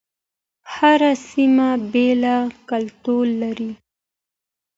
هر سيمه بیل کلتور لري